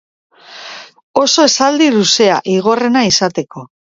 Oso esaldi luzea, Igorrena izateko.